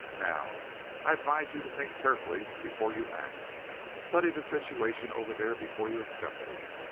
Now, I'd advise you to think carefully before you act. Study the situation over there before you accept it.